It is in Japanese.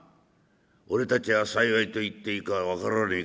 俺たちは幸いといっていいか分からねえ